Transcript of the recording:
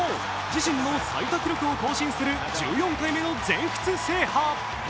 自身の最多記録を更新する１４回目の全仏制覇。